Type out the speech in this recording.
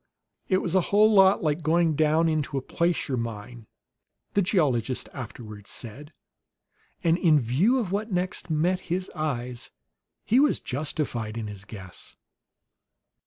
"It was a whole lot like going down into a placer mine," the geologist afterward said; and in view of what next met his eyes, he was justified in his guess.